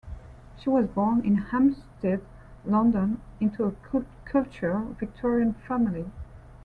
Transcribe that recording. She was born in Hampstead, London, into a cultured Victorian family.